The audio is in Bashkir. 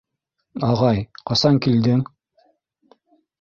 — Ағай, ҡасан килдең?